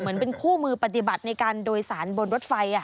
เหมือนเป็นคู่มือปฏิบัติในการโดยสารบนรถไฟ